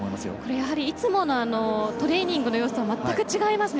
やはり、いつものトレーニングの様子とはまったく違いますね